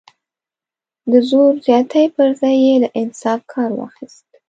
د زور زیاتي پر ځای یې له انصاف کار واخیست.